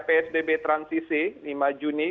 psbb transisi lima juni